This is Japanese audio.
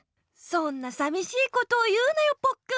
そんなさみしいことを言うなよポッくん。